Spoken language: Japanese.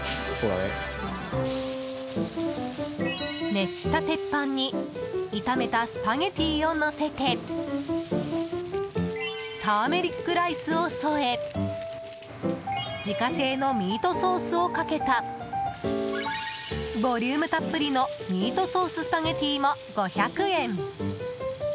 熱した鉄板に炒めたスパゲティをのせてターメリックライスを添え自家製のミートソースをかけたボリュームたっぷりのミートソーススパゲティーも５００円。